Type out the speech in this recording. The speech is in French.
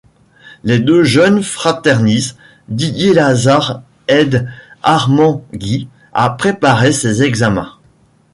Les deux jeunes fraternisent, Didier Lazard aide Armand-Guy à préparer ses examens.